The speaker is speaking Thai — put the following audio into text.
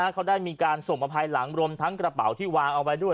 เขาได้มีการส่งมาภายหลังรวมทั้งกระเป๋าที่วางเอาไว้ด้วย